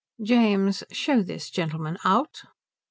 "James, show this gentleman out."